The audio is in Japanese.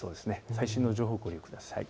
最新の情報をご利用ください。